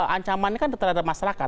ancamannya kan terhadap masyarakat